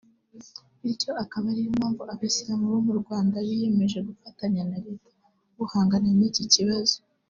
bityo akaba ariyo mpamvu abayisilamu bo mu Rwanda biyemeje gufatanya na Leta guhangana n’iki kibazo